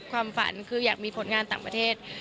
ความฝันคืออยากมีผลงานต่างประเทศ